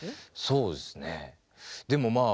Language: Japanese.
そうですね。